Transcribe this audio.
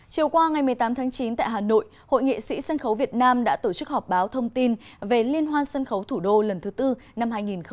chiều qua ngày một mươi tám tháng chín tại hà nội hội nghệ sĩ sân khấu việt nam đã tổ chức họp báo thông tin về liên hoan sân khấu thủ đô lần thứ tư năm hai nghìn một mươi chín